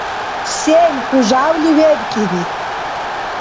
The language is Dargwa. Сен хӀу жявли вебкӀири?